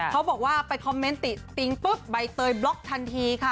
เขาบอกว่าไปคอมเมนต์ติติ๊งปุ๊บใบเตยบล็อกทันทีค่ะ